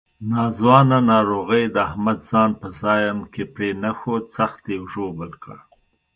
ناځوانه ناروغۍ د احمد ځان په ځان کې ورپرېنښود، سخت یې ژوبل کړ.